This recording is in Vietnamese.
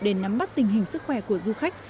để nắm bắt tình hình sức khỏe của du khách